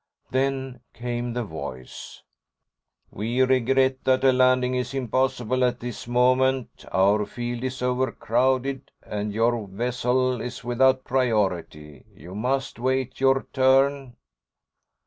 Then came the voice: "We regret that a landing is impossible at this moment. Our field is overcrowded, and your vessel is without priority. You must wait your turn."